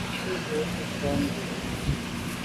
Tshu bo ywit là bit.